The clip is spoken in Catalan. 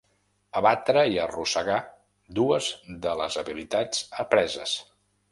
Abatre i arrossegar, dues de les habilitats apreses.